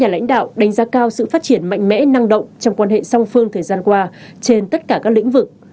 lãnh đạo đánh giá cao sự phát triển mạnh mẽ năng động trong quan hệ song phương thời gian qua trên tất cả các lĩnh vực